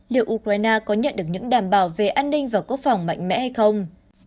liệu ukraine có nhận được những đảm bảo về an ninh và quốc phòng mạnh mẽ hay không